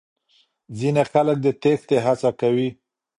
ځينې خلک د تېښتې هڅه کوي.